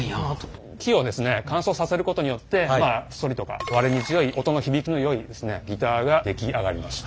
乾燥させることによってそりとか割れに強い音の響きのよいギターが出来上がりますと。